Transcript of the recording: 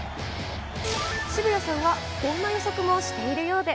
渋谷さんはこんな予測もしているようで。